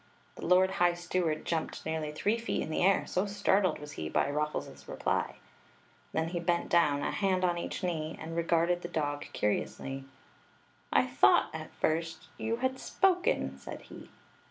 The lord high steward jumped nearly three feet in the air, so starded was he by Ruffles's reply. Then he bent down, a hand on each knee, and regarded the dog curiously. "I thought, at first, you had spoken!" said he.